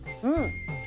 うん！